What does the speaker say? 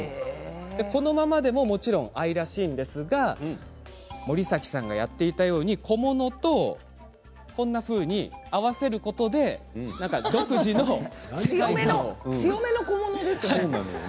このままでももちろん愛らしいんですが森崎さんがやっていたように小物と合わせることで強めの小物ですね。